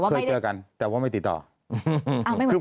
แต่ได้ยินจากคนอื่นแต่ได้ยินจากคนอื่น